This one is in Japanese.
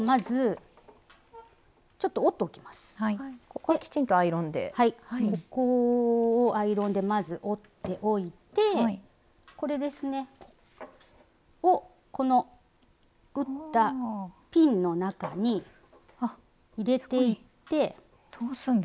ここをアイロンでまず折っておいてこれですねをこの打ったピンの中に入れていってそこに通すんだ。